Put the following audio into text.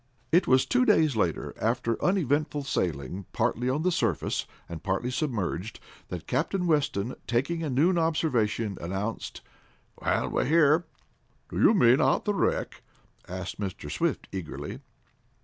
It was two days later, after uneventful sailing, partly on the surface, and partly submerged, that Captain Weston, taking a noon observation, announced: "Well, we're here!" "Do you mean at the wreck?" asked Mr. Swift eagerly.